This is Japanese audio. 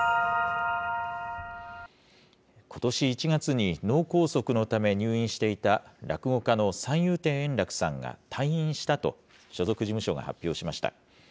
ことし１月に脳梗塞のため、入院していた落語家の三遊亭円楽さんが退院したと、所属事務所が発表しました。